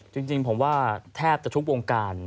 จริงผมว่าแทบจะทุกวงการ